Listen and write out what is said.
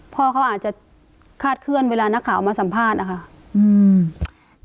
พ่อเขาอาจจะคาดเคลื่อนเวลานักข่าวมาสัมภาษณ์นะคะอืม